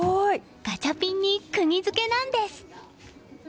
ガチャピンに釘付けなんです！